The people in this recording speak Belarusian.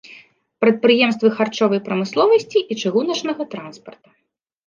Прадпрыемствы харчовай прамысловасці і чыгуначнага транспарта.